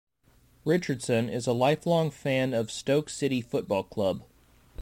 Richardson is a lifelong fan of Stoke City Football Club.